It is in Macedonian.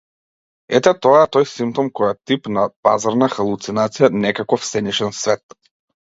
Ете тоа е тој симптом кој е тип на пазарна халуцинација, некаков сенишен свет.